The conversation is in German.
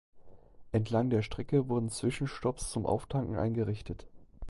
Entlang der Strecke wurden Zwischenstopps zum Auftanken eingerichtet.